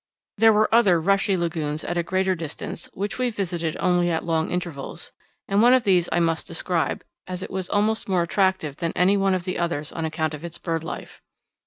There were other rushy lagoons at a greater distance which we visited only at long intervals, and one of these I must describe, as it was almost more attractive than any one of the others on account of its bird life.